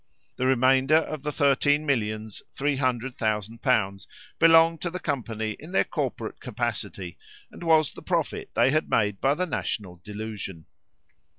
The remainder of thirteen millions three hundred thousand pounds belonged to the company in their corporate capacity, and was the profit they had made by the national delusion.